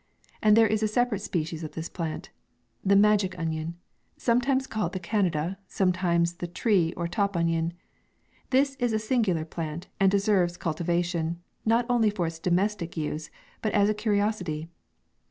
And there is a separate species of this plant — THE MAGIC ONION, sometimes called the Canada, sometimes the tree, or top onion. This is a singular plant, and deserves cultivation, not only for its domestic use, but as a curiosity.